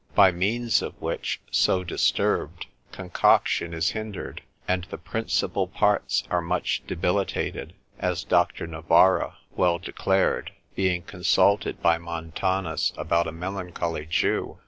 By means of which, so disturbed, concoction is hindered, and the principal parts are much debilitated; as Dr. Navarra well declared, being consulted by Montanus about a melancholy Jew.